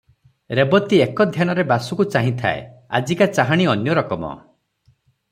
ରେବତୀ ଏକଧ୍ୟାନରେ ବାସୁକୁ ଚାହିଁଥାଏ, ଆଜିକା ଚାହାଁଣି ଅନ୍ୟ ରକମ ।